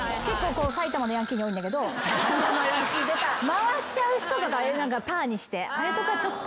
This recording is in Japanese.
回しちゃう人とかパーにしてあれとか。